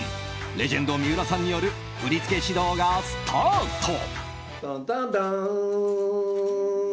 レジェンド三浦さんによる振り付け指導がスタート！